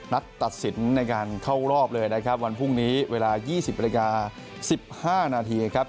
ตัดสินในการเข้ารอบเลยนะครับวันพรุ่งนี้เวลา๒๐นาฬิกา๑๕นาทีครับ